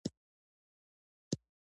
سرې هغه مواد دي چې په خاوره کې ور زیاتیږي.